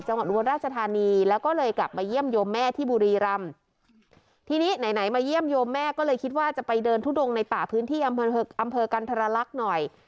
อุบลราชธานีแล้วก็เลยกลับมาเยี่ยมโยมแม่ที่บุรีรำทีนี้ไหนไหนมาเยี่ยมโยมแม่ก็เลยคิดว่าจะไปเดินทุดงในป่าพื้นที่อำเภอกันทรลักษณ์หน่อย